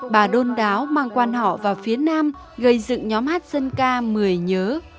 bà đôn đáo mang quan họ vào phía nam gây dựng nhóm hát dân ca một mươi nhớ